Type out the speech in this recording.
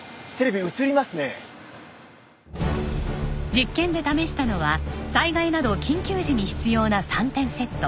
実験で試したのは災害など緊急時に必要な３点セット。